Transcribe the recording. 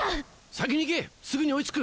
先に行け！